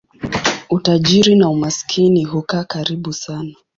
Utajiri na umaskini hukaa karibu sana.